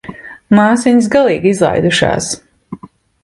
Māsiņas galīgi izlaidušās.